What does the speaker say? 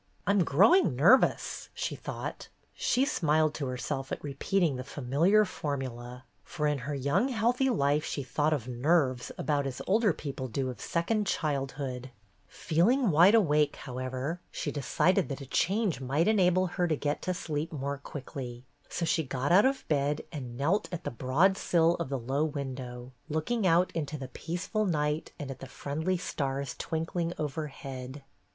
"I'm growing nervous," she thought. She smiled to herself at repeating the familiar formula, for in her young healthy life she thought of "nerves" about as older people do of second childhood. THE FIRE 135 Feeling wide awake, however, she decided that a change might enable her to get to sleep more quickly, so she got out of bed and knelt at the broad sill of the low window, looking out into the peaceful night and at the friendly stars twinkling overhead.